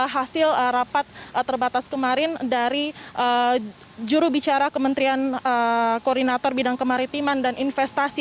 hasil rapat terbatas kemarin dari jurubicara kementerian koordinator bidang kemaritiman dan investasi